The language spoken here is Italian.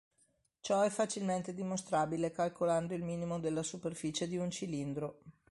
Ciò è facilmente dimostrabile calcolando il minimo della superficie di un cilindro.